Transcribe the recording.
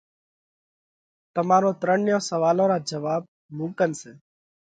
تمارون ترڻيون سوئالون را جواٻ مُون ڪنَ سئہ۔